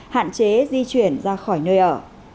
hạn chế di chuyển ra khỏi nơi ở